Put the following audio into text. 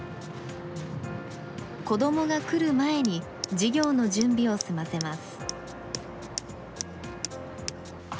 子どもが来る前に授業の準備を済ませます。